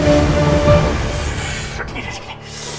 gini deh sini